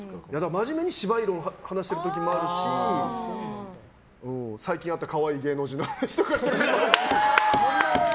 真面目に芝居論話してる時もあるし最近会った可愛い芸能人の話とか。